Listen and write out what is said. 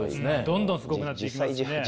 どんどんすごくなっていきますね。